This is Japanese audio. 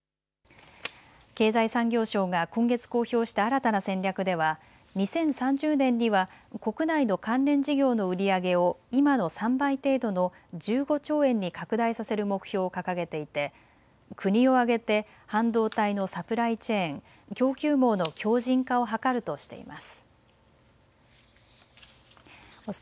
経済産業省が今月、公表した新たな戦略では２０３０年には国内の関連事業の売り上げを今の３倍程度の１５兆円に拡大させる目標を掲げていて国を挙げて半導体のサプライチェーン・供給網の強じん化を図るとしています。